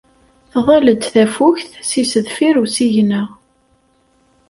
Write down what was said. Tḍall-d tafukt seg sdeffir usigna.